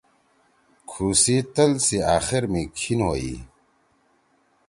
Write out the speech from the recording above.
کُھو سی تَل سی آخر می کھیِن ہوئی۔